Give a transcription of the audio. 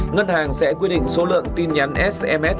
ngân hàng sẽ quy định số lượng tin nhắn sms